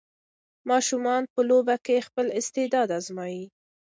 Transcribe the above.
ماشومان په لوبو کې خپل استعداد ازمويي.